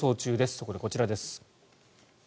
そこでこちらです。